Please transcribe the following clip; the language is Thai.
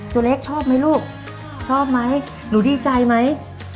ตัวเล็กชอบไหมลูกชอบไหมหนูดีใจไหม